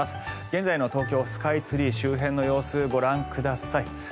現在の東京スカイツリー周辺の様子ご覧ください。